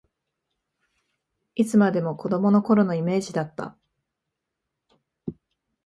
いつまでも子どもの頃のイメージだった